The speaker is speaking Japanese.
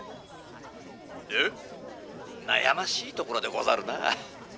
「悩ましいところでござるなぁ」。